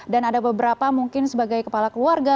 dan ada beberapa mungkin sebagai kepala keluarga